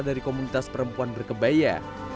dari komunitas perempuan berkebaya